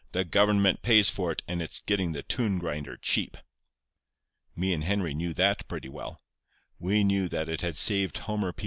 'The government pays for it, and it's getting the tune grinder cheap.' "Me and Henry knew that pretty well. We knew that it had saved Homer P.